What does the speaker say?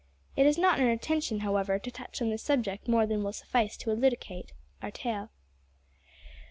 It is not our intention, however, to touch on this subject more than will suffice to elucidate our tale.